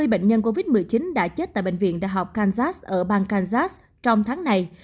hai mươi bệnh nhân covid một mươi chín đã chết tại bệnh viện đại học kansas ở bang kazas trong tháng này